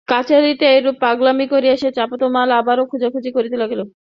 কাছারিতে এইরূপ পাগলামি করিয়া সে চাঁপাতলায় আবার খোঁজাখুঁজি করিতে লাগিল।